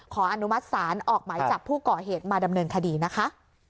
อนุมัติศาลออกหมายจับผู้ก่อเหตุมาดำเนินคดีนะคะ